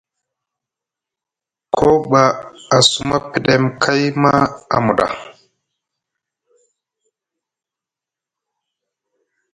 Koo ɓa a suma pɗem kay maa a muɗa.